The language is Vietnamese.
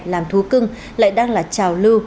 làm thú cưng lại đang là trào lưu